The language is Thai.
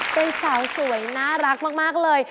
เป็นสาวสวยน่ารักมากเลย